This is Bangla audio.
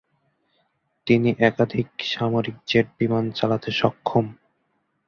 তিনি একাধিক সামরিক জেট বিমান চালাতে সক্ষম।